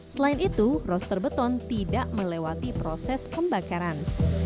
selain itu roster beton tidak melewati proses pembakaran